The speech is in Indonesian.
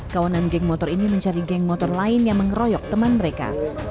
kawanan geng motor ini mencari geng motor lain yang mengeroyok teman mereka